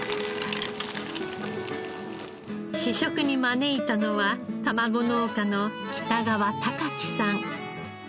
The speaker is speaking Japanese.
試食に招いたのはたまご農家の北川貴基さん。